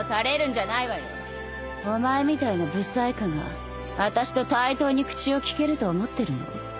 お前みたいな不細工があたしと対等に口を利けると思ってるの？